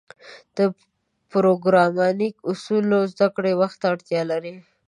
د پروګرامینګ اصول زدهکړه وخت ته اړتیا لري.